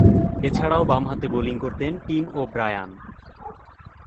এছাড়াও, বামহাতে বোলিং করতেন টিম ও’ব্রায়ান।